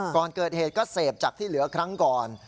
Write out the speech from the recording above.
ก่อนเกิดเหตุก็เสพจากที่เหลือครั้งก่อน